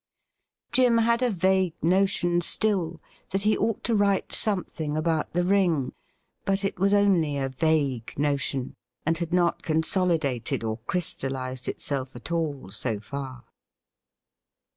Jim had a vague notion still that he ought to write something about the ring, but it was only a vague notion, and had not consolidated or crystallized itself at all so far.